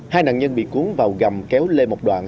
hai nạn nhân bị cuốn vào gầm kéo lê một đoàn